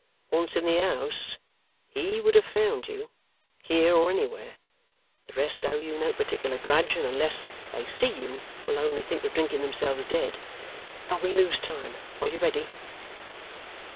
Once in the house, HE would have found you, here or anywhere. The rest owe you no particular grudge, and, unless they see you, will only think of drinking themselves dead. But we lose time. Are you ready?